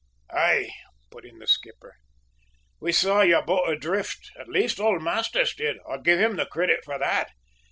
"Aye," put in the skipper, "we saw your boat adrift at least, old Masters did I'll give him the credit for that.